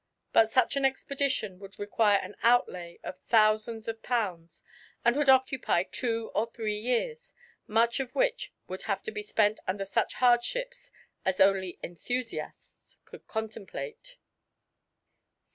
But such an expedition would require an outlay of thousands of pounds and would occupy two or three years, much of which would have to be spent under such hardships as only enthusiasts could contemplate.